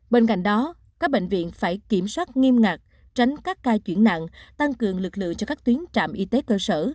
bên cạnh đó các bệnh viện phải kiểm soát nghiêm ngặt tránh các ca chuyển nặng tăng cường lực lượng cho các tuyến trạm y tế cơ sở